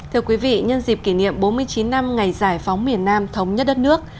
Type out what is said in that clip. thưa quý vị nhân dịp kỷ niệm bốn mươi chín năm ngày giải phóng miền nam thống nhất đất nước